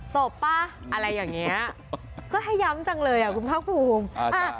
ตบป่ะอะไรอย่างนี้ก็ให้ย้ำจังเลยอ่ะคุณภาคภูมิ